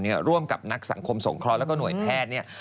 พร้อมกับนักสังคมสงครอบการแล้วก็หน่วยแพทย์